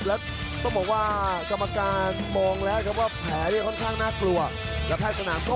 เนี่ยธรรมงาม่าว่ากรรมการบองแล้วครับว่าแผ่นะครั้งน่ากลัวและแพทย์สนาม